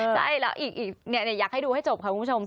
ใช่แล้วอีกอยากให้ดูให้จบค่ะคุณผู้ชม